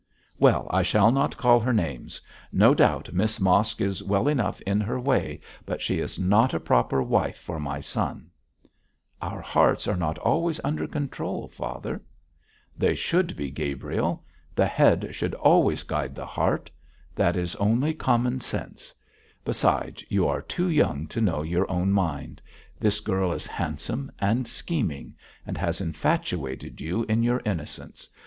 Well, I shall not call her names. No doubt Miss Mosk is well enough in her way, but she is not a proper wife for my son.' 'Our hearts are not always under control, father.' 'They should be, Gabriel. The head should always guide the heart; that is only common sense. Besides, you are too young to know your own mind. This girl is handsome and scheming, and has infatuated you in your innocence.